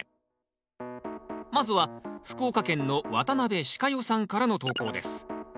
まずは福岡県の渡辺しか代さんからの投稿です。